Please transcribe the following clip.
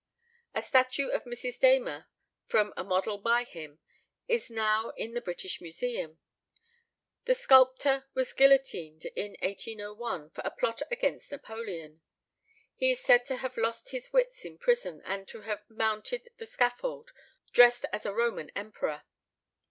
A statue of Mrs. Damer, from a model by him, is now in the British Museum. This sculptor was guillotined in 1801, for a plot against Napoleon. He is said to have lost his wits in prison, and to have mounted the scaffold dressed as a Roman emperor.